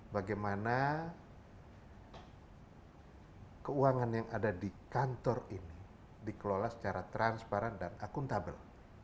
bagaimana keuangan yang ada di kantor ini dikelola secara transparan dan akuntabel